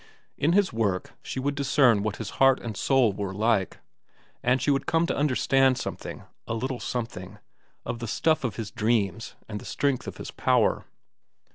In his work she would discern what his heart and soul were like, and she would come to understand something, a little something, of the stuff of his dreams and the strength of his power.